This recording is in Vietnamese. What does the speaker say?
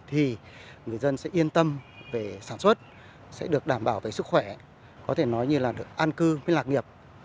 thì người dân sẽ yên tâm về sản xuất sẽ được đảm bảo về sức khỏe có thể nói như là được an cư với lạc nghiệp